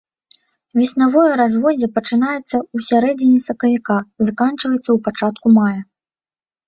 Веснавое разводдзе пачынаецца ў сярэдзіне сакавіка, заканчваецца ў пачатку мая.